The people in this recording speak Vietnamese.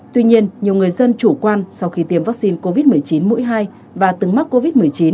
tuy nhiên nhiều người dân chủ quan sau khi tiêm vaccine covid một mươi chín mũi hai và từng mắc covid một mươi chín